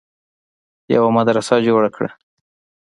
يوه مدرسه جوړه کړه